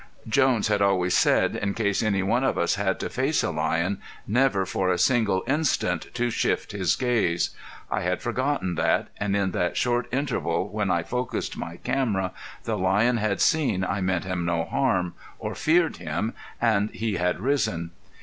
Jones had always said in case any one of us had to face a lion, never for a single instant to shift his glance. I had forgotten that, and in that short interval when I focused my camera the lion had seen I meant him no harm, or feared him, and he had risen.